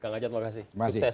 kang ajat terima kasih